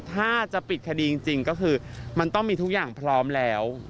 ถ้าจะปิดคดีจริงก็คือมันต้องมีทุกอย่างพร้อมแล้ว